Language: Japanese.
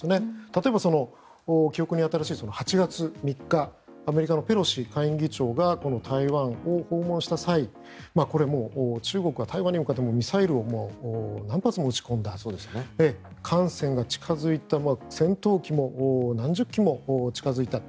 例えば、記憶に新しい８月３日アメリカのペロシ下院議長が台湾を訪問した際これもう中国は台湾に向かってミサイルを何発も撃ち込んだ艦船が近付いた戦闘機も何十機も近付いた。